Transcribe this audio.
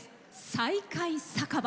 「再会酒場」。